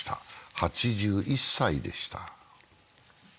８１歳でした。